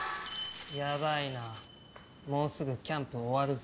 ヤバいなもうすぐキャンプ終わるぞ。